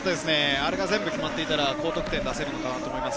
あれが全部決まっていたら、高得点だと思います。